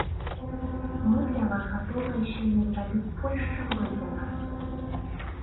Мы для вас гатовыя сёння зрабіць больш, чым вы для нас.